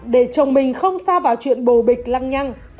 để chồng mình không xa vào chuyện bồ bịch lăng nhăng